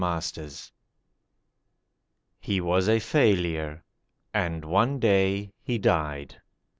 COMPASSION HE was a failure, and one day he died.